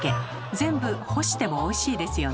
全部干してもおいしいですよね。